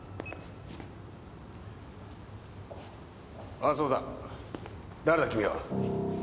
ああそうだ誰だ君は？